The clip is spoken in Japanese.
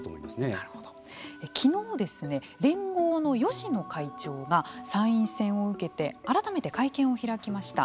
きのう連合の芳野会長が参院選を受けて改めて会見を開きました。